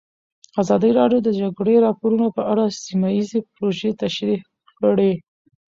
ازادي راډیو د د جګړې راپورونه په اړه سیمه ییزې پروژې تشریح کړې.